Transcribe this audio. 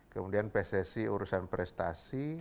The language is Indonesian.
kemudian pssi urusan prestasi